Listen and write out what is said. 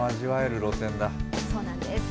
そうなんです。